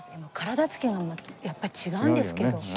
体つきがやっぱり違うんですけど。